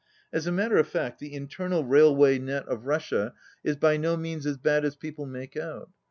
As a matter of fact the 100 internal railway net of Russia is by no means as bad as people make out.